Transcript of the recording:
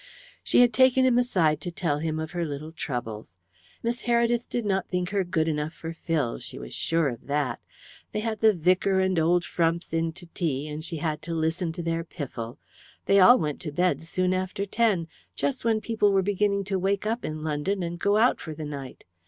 She had taken him aside to tell him of her little troubles. Miss Heredith did not think her good enough for Phil she was sure she thought that. They had the vicar and old frumps in to tea, and she had to listen to their piffle. They all went to bed soon after ten just when people were beginning to wake up in London and go out for the night.